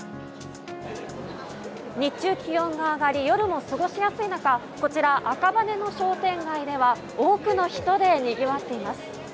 日中、気温が上がり夜も過ごしやすい中こちら、赤羽の商店街では多くの人でにぎわっています。